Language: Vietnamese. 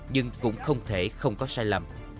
nhưng cũng không thể không có sai lầm